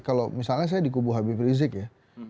kalau misalnya saya dikubur kb prizik ya